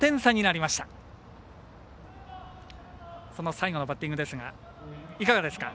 最後のバッティングですがいかがですか？